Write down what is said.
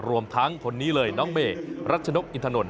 รวมทั้งคนนี้เลยน้องเมรัชนกอินทนนท